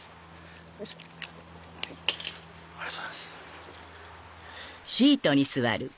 ありがとうございます。